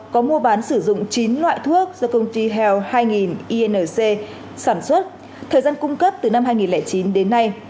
có mua bán sử dụng chín loại thuốc do công ty heo hai inc sản xuất thời gian cung cấp từ năm hai nghìn chín đến nay